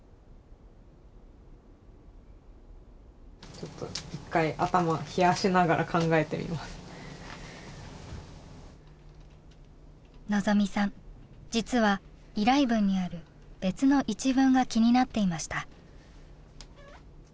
ちょっと望未さん実は依頼文にある別の一文が気になっていました。